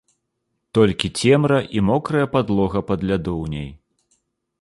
Толькі цемра і мокрая падлога пад лядоўняй.